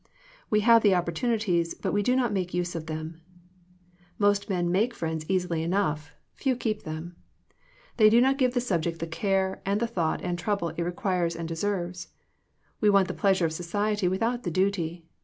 We have the opportunities, but we do not make use of them. Most men make friends 40 Digitized by VjOOQIC THE CULTURE OF FRIENDSHIP easily enough : few keep them. They do not give the subject the care, and thought, and trouble, it requires and de« serves. We want the pleasure of society, without the duty.